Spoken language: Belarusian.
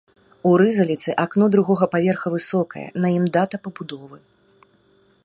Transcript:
У рызаліце акно другога паверха высокае, на ім дата пабудовы.